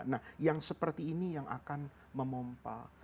nah yang seperti ini yang akan memompal